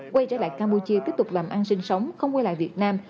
quay trở lại campuchia tiếp tục làm ăn sinh sống không quay lại việt nam